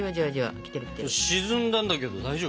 かまど沈んだんだけど大丈夫？